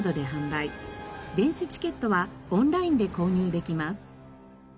電子チケットはオンラインで購入できます。